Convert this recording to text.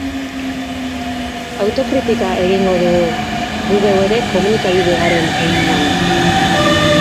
Autokritika egingo dugu, gu geu ere, komunikabide garen heinean.